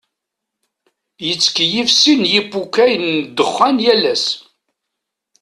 Yettkeyyif sin n yipukay n ddexxan yal ass.